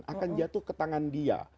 akan jatuh ke tangan dia